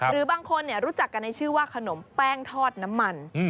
หรือบางคนรู้จักกันในชื่อว่าขนมแป้งทอดน้ำมัน